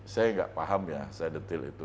saya nggak paham ya saya detail itu